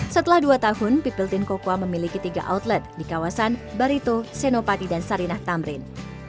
setelah dua tahun pipiltin kokwa memiliki tiga outlet di kawasan barito senopati dan sarinah tamrin